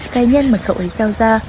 cái nhân mà cậu ấy gieo ra